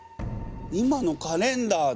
今のカレンダーだ。